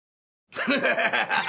フハハハハ！